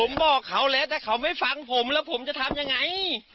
ผมบอกเขาแล้วถ้าเขาไม่ฟังผมแล้วผมจะทำยังไง